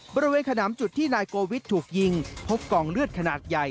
บริเวณขนามจุดที่นายโกวิทย์ถูกยิงพบกองเลือดขนาดใหญ่